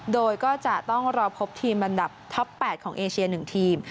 โดยก็จะต้องรอพบทีมอันดับท็อป๘ของเอเชีย๑ทีม